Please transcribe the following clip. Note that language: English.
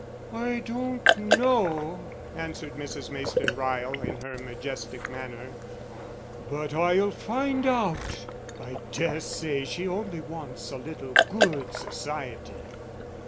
"I don't know," answered Mrs. Mayston Ryle in her majestic manner. "But I'll find out. I dare say she only wants a little good society.